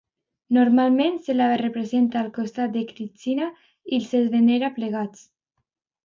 Normalment se la representa al costat de Krixna i se'ls venera plegats.